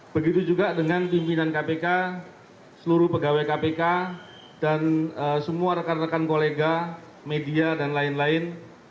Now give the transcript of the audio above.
begitu juga dengan pimpinan kpk seluruh pegawai kpk dan semua rekan rekan kolega media dan lain lain